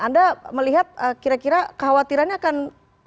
anda melihat kira kira khawatirannya akan apa ya